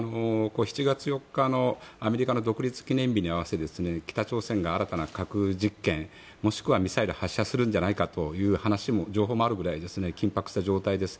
７月４日のアメリカの独立記念日に合わせて北朝鮮が新たな核実験もしくはミサイルを発射するんじゃないかという情報もあるぐらい緊迫した状態です。